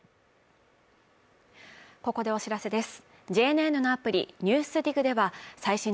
ここでお知らせです。